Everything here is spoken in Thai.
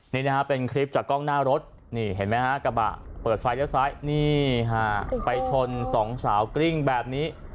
นี่นะฮะเป็นคลิปจากกล้องหน้ารถนี่เห็นไหมฮะกระบะเปิดไฟเลี้ยวซ้ายนี่ฮะไปชนสองสาวกริ้งแบบนี้